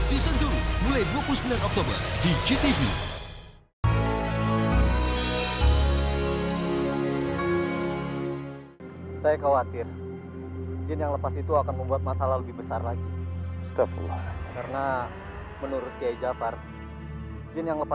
ismo star indonesia season dua mulai dua puluh sembilan oktober di jtv